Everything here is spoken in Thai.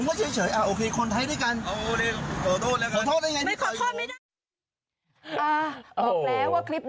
ไม่ท้ายที่รอก่อน